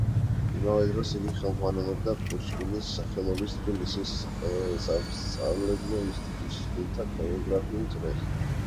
იმავე დროს იგი ხელმძღვანელობდა პუშკინის სახელობის თბილისის სამასწავლებლო ინსტიტუტის სტუდენტთა ქორეოგრაფიულ წრეს.